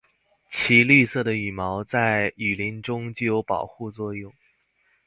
其绿色的羽毛在雨林中具有保护作用。